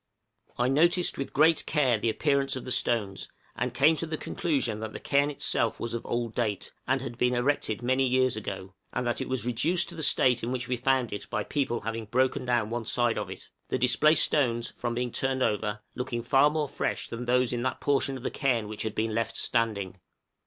I noticed with great care the appearance of the stones, and came to the conclusion that the cairn itself was of old date, and had been erected many years ago, and that it was reduced to the state in which we found it by people having broken down one side of it; the displaced stones, from being turned over, looking far more fresh than those in that portion of the cairn which had been left standing.